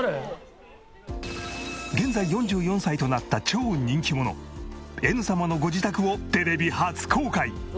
現在４４歳となった超人気者Ｎ様のご自宅をテレビ初公開！